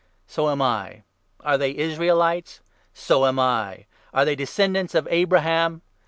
So am I ! Are they Israelites ? 22 So am 1 1 Are they descendants of Abraham